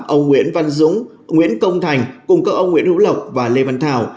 ông nguyễn văn dũng nguyễn công thành cùng các ông nguyễn hữu lộc và lê văn thảo